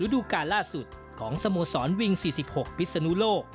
ฤดูกาลล่าสุดของสโมสรวิ่งสี่สิบหกพิสสนุโล